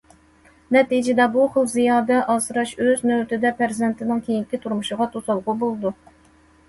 نەتىجىدە، بۇ خىل زىيادە ئاسراش ئۆز نۆۋىتىدە پەرزەنتىنىڭ كېيىنكى تۇرمۇشىغا توسالغۇ بولىدۇ.